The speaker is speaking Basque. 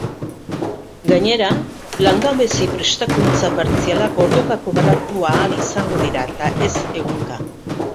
Gainera, langabezi prestakuntza partzialak orduka kobratu ahal izango dira eta ez egunka.